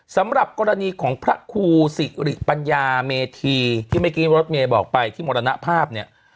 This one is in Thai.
สำหรับกรณีของพระครูสิริปัญญาเมธีที่เมื่อกี้รถเมย์บอกไปที่มรณภาพเนี่ย